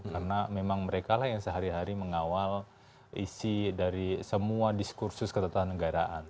karena memang mereka lah yang sehari hari mengawal isi dari semua diskursus ketata negaraan